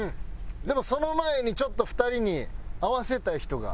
でもその前にちょっと２人に会わせたい人がいます。